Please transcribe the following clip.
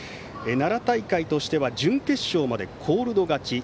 奈良大会としては準決勝までコールド勝ち。